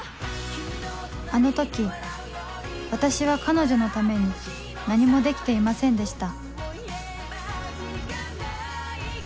あの時私は彼女のために何もできていませんでした